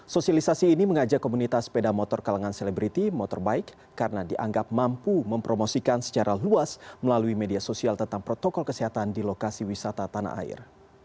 sosialisasi ini mengajak komunitas sepeda motor kalangan selebriti motorbike karena dianggap mampu mempromosikan secara luas melalui media sosial tentang protokol kesehatan di lokasi wisata tanah air